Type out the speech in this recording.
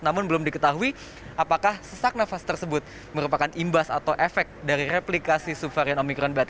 namun belum diketahui apakah sesak nafas tersebut merupakan imbas atau efek dari replikasi subvarian omikron